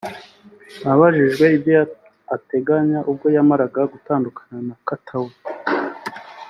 Abajijwe ibyo ateganya ubwo yamaraga gutandukana na Katauti